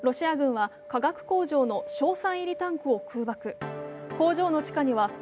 ロシア軍は化学工場の硝酸入りタンクを空爆。